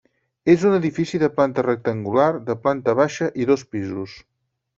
És un edifici de planta rectangular, de planta baixa i dos pisos.